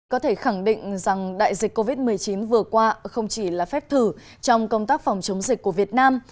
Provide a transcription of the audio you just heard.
có thể khẳng định rằng đại dịch covid một mươi chín vừa qua không chỉ là phép thử trong công tác phòng chống dịch của việt nam